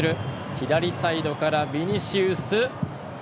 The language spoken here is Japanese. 左サイドからビニシウス。